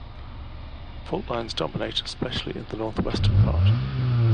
Fault lines dominate especially in the northwestern part.